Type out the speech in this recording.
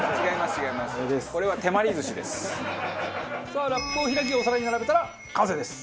さあラップを開きお皿に並べたら完成です。